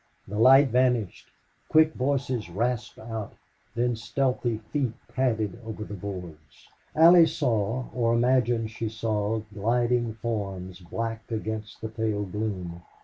The light vanished; quick voices rasped out; then stealthy feet padded over the boards. Allie saw or imagined she saw gliding forms black against the pale gloom.